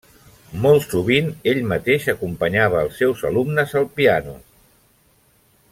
Molt sovint ell mateix acompanyava als seus alumnes al piano.